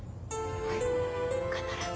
はい必ず。